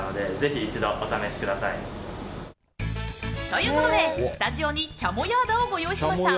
ということでスタジオにチャモヤーダをご用意しました。